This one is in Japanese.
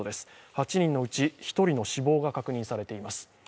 ８人のうち１人の死亡が確認されています。